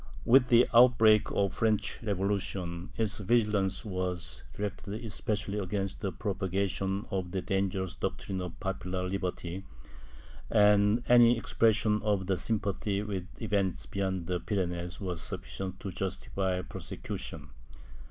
With the outbreak of the French Revolution, its vigilance was directed especially against the prop agation of the dangerous doctrines of popular liberty, and any expression of sympathy with events beyond the Pyrenees was sufficient to justify prosecution.